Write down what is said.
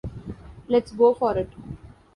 Let's go for it.